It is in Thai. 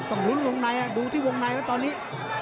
ต้องลุ้นวงในดูที่วงในแล้วตอนนี้